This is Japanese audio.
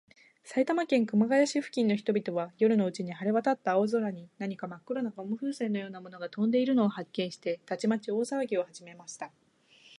埼玉県熊谷市付近の人々は、夜のうちに晴れわたった青空に、何かまっ黒なゴム風船のようなものがとんでいるのを発見して、たちまち大さわぎをはじめました。